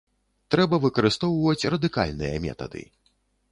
Трэба выкарыстоўваць радыкальныя метады.